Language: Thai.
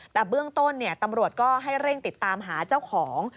แต่เบื้องต้นตำรวจก็ให้เร่งติดตามหาเจ้าของ